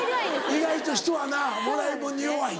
意外と人はなもらいもんに弱い。